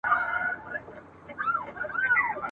تر لحده به دي ستړی زکندن وي ..